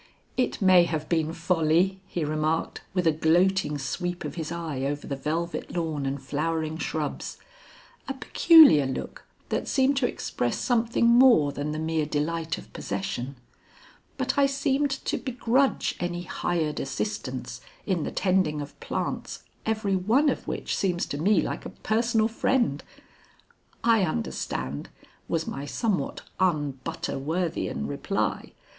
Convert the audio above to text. "It may have been folly," he remarked, with a gloating sweep of his eye over the velvet lawn and flowering shrubs a peculiar look that seemed to express something more than the mere delight of possession, "but I seemed to begrudge any hired assistance in the tending of plants every one of which seems to me like a personal friend." "I understand," was my somewhat un Butterworthian reply.